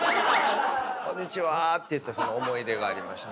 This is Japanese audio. こんにちは！って言ったその思い出がありまして。